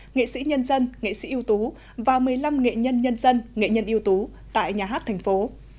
nghệ sĩ nhân dân nghệ sĩ ưu tú và một mươi năm nghệ nhân nhân dân nghệ nhân yếu tố tại nhà hát thành phố